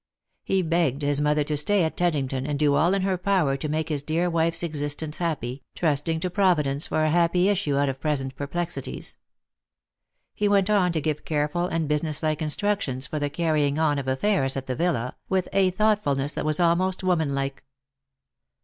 He begged his mother to stay at Teddington, and do all in her power to make his dear wife's existence happy, trusting to Pro vidence for a happy issue out of present perplexities. He went on to give careful and business like instructions for the carrying on of affairs at the villa, with a thoughtfulness that was almost woman like.